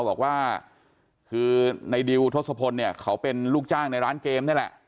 บอกว่าคือในดิวทศพลเนี่ยเขาเป็นลูกจ้างในร้านเกมนี่แหละ